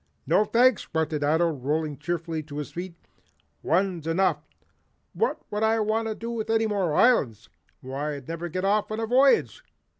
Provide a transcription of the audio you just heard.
"No, thanks," grunted Ato, rolling cheerfully to his feet. "One's enough. What would I want with any more islands? Why I'd never get off on a voyage.